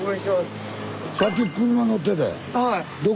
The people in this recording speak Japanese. はい。